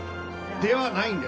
ではないんです。